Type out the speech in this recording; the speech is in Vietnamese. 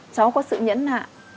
cháu có sự nhẫn nạ